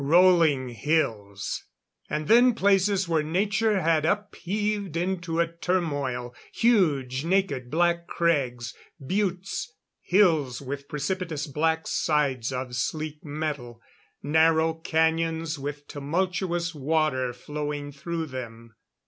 Rolling hills; and then places where nature had upheaved into a turmoil. Huge naked black crags; buttes; hills with precipitous black sides of sleek metal; narrow canyons with tumultuous water flowing through them.